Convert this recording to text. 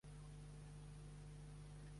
Es diu Abacuc: espai, a, be, a, ce, u, ce.